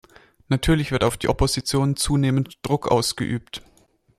Natürlich wird auf die Opposition zunehmend Druck ausgeübt.